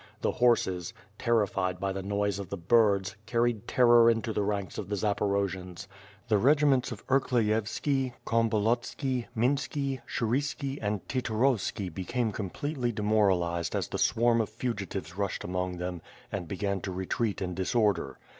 The horses, terrified by the noise of the birds, carried terror into the ranks of the Zaporojians. The regiments of Irkleyevski, Kalmbolotski, Minski, Sshuryski, and Titorovski became completely demoralized as the swarm of fugitives rushed among them, and began to retreat in dis order.